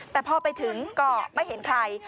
แต่พอไปถึงก็ไม่เห็นใคร